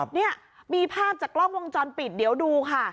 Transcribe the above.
เนี่ยมีภาพจากกล้องวงจรปิดเดี๋ยวดูค่ะ